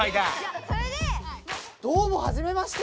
どうもはじめまして！